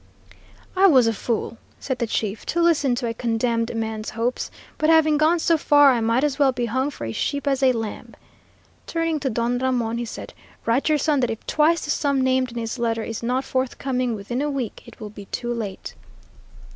"I was a fool," said the chief, "to listen to a condemned man's hopes, but having gone so far I might as well be hung for a sheep as a lamb." Turning to Don Ramon, he said, "Write your son that if twice the sum named in his letter is not forthcoming within a week, it will be too late."